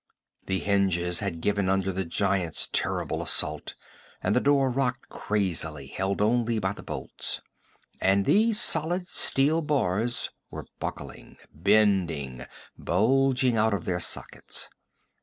The hinges had given under the giant's terrible assault and the door rocked crazily, held only by the bolts. And these solid steel bars were buckling, bending, bulging out of their sockets.